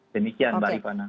demikian mbak ivana